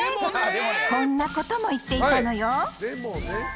こんなことも言っていたのよ。